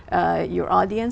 và một cảm giác